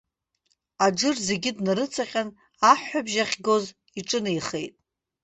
Аџыр зегьы днарыҵаҟьан, аҳәҳәабжь ахьгоз иҿынеихеит.